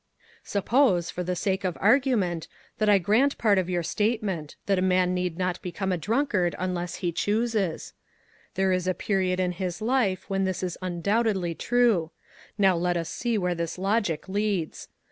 "Suppose, for the sake of argument, that I grant part of your statement, that a man need not become a drunkard unless he chooses; there is a period in his life when it is undoubtedly true ; now let us see where this logic leads.